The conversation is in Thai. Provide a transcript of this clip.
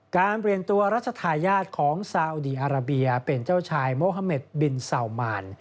เปลี่ยนตัวรัชธาญาติของซาอุดีอาราเบียเป็นเจ้าชายโมฮาเมดบินซาวมาน